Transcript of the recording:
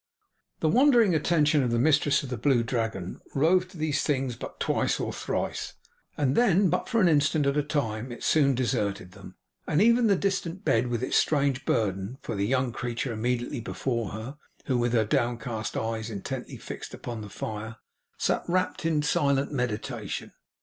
The wandering attention of the mistress of the Blue Dragon roved to these things but twice or thrice, and then for but an instant at a time. It soon deserted them, and even the distant bed with its strange burden, for the young creature immediately before her, who, with her downcast eyes intently fixed upon the fire, sat wrapped in silent meditation.